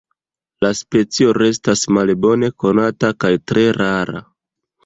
La specio restas malbone konata kaj tre rara.